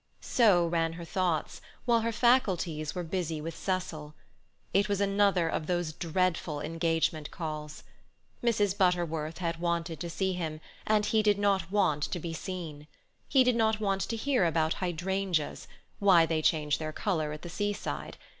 So ran her thoughts, while her faculties were busy with Cecil. It was another of those dreadful engagement calls. Mrs. Butterworth had wanted to see him, and he did not want to be seen. He did not want to hear about hydrangeas, why they change their colour at the seaside.